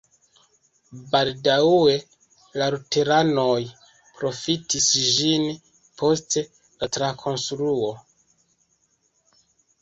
Baldaŭe la luteranoj profitis ĝin post la trakonstruo.